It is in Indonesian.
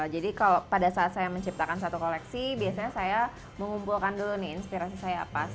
jadi pada saat saya menciptakan satu koleksi biasanya saya mengumpulkan dulu inspirasi saya apa